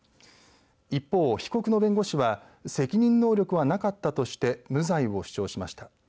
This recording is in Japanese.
一方、被告の弁護士は責任能力はなかったとして無罪を主張しました。